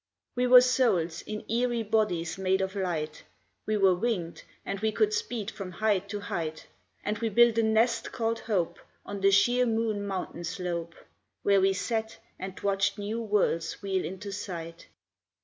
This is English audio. We were souls, in eerie bodies made of light; We were winged, and we could speed from height to height; And we built a nest called Hope, on the sheer Moon Mountain Slope, Where we sat, and watched new worlds wheel into sight.